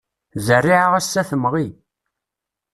Zzeriεa ass-a temɣi.